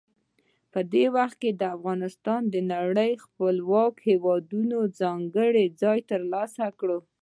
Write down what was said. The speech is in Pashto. په دې وخت کې افغانستان د نړۍ خپلواکو هیوادونو کې ځانګړی ځای ترلاسه کړ.